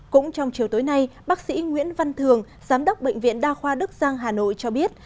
cũng trong chiều tối nay bác sĩ nguyễn văn thường giám đốc bệnh viện đa khoa đức giang hà nội cho biết